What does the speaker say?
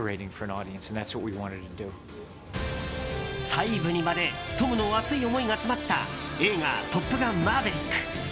細部にまでトムの熱い思いが詰まった映画「トップガンマーヴェリック」。